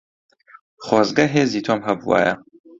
خۆزگە هێزی تۆم هەبوایە.